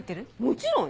もちろん！